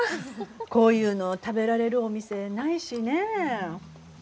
こういうのを食べられるお店ないしね。